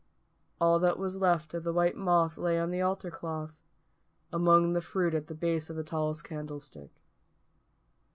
All that was left of the white moth lay on the altar cloth, among the fruit at the base of the tallest candlestick.